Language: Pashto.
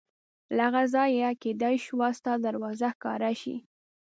له هغه ځایه کېدای شوه ستا دروازه ښکاره شي.